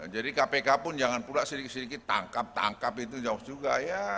jadi kpk pun jangan pula sedikit sedikit tangkap tangkap itu jauh juga